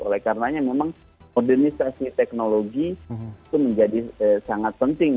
oleh karenanya memang modernisasi teknologi itu menjadi sangat penting